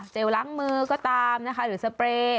ล้างมือก็ตามนะคะหรือสเปรย์